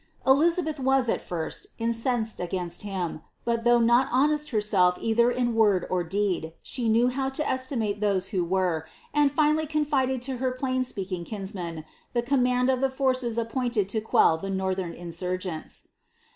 Elizabeth was, at firai, incensed against him, but ih< not honest herself either in word or deed, she knew how to esti those who were, and finally confided to her plain dealing kinsman command of the forces appointed to quell the northern insurgents.